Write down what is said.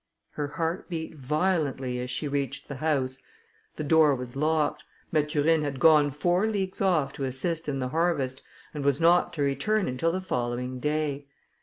Her heart beat violently as she reached the house; the door was locked; Mathurine had gone four leagues off to assist in the harvest, and was not to return until the following day.